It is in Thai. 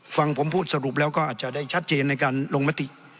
ฟังผมพูดสรุปแล้วก็อาจจะได้ชัดเจนในการลงมติ